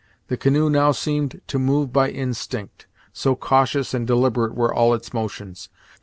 The canoe now seemed to move by instinct, so cautious and deliberate were all its motions.